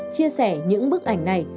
chia sẻ những bức ảnh này